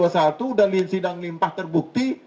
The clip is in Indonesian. sudah sidang limpah terbukti